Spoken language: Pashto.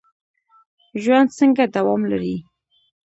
ژوند څنګه دوام لري؟